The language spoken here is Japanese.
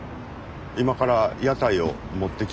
今から屋台を持ってきます。